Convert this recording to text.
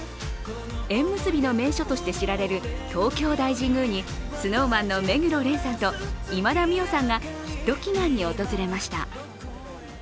縁結びの名所として知られる東京大神宮にＳｎｏｗＭａｎの目黒蓮さんと今田美桜さんがヒット祈願に訪れました。